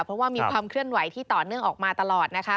เพราะว่ามีความเคลื่อนไหวที่ต่อเนื่องออกมาตลอดนะคะ